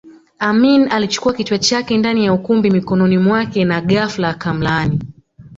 Amin alichukua kichwa chake ndani ya ukumbi mikononi mwake na ghafla akamlaani